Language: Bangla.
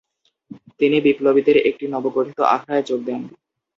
তিনি বিপ্লবীদের একটি নবগঠিত আখড়ায় যোগ দেন।